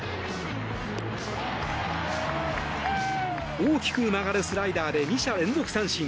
大きく曲がるスライダーで２者連続三振。